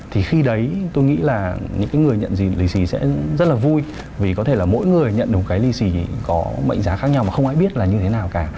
thì khi đấy tôi nghĩ là những người nhận gì lì xì sẽ rất là vui vì có thể là mỗi người nhận một cái lì xì có mệnh giá khác nhau mà không ai biết là như thế nào cả